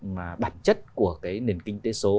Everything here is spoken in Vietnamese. mà bản chất của cái nền kinh tế số